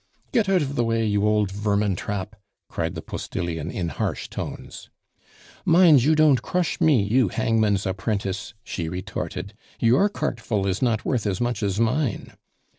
"Get out of the way, you old vermin trap!" cried the postilion in harsh tones. "Mind you don't crush me, you hangman's apprentice!" she retorted. "Your cartful is not worth as much as mine."